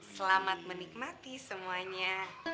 selamat menikmati semuanya